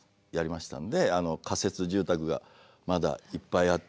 仮設住宅がまだいっぱいあって。